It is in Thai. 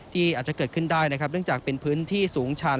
อาจจะเกิดขึ้นได้นะครับเนื่องจากเป็นพื้นที่สูงชัน